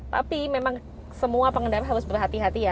tapi memang semua pengendara harus berhati hati ya